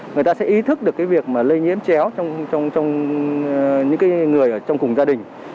người ta sẽ ý thức được cái việc mà lây nhiễm chéo trong những người ở trong cùng gia đình